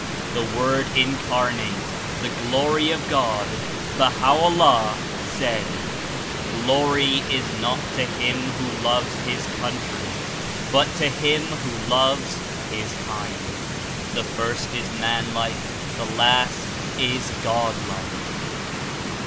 The Word Incarnate, the Glory of God, Baha'o'llah, said: ''Glory is not to Jiim ztho loves his country, but to him who loves his kind/' The first is man like; the last is God like.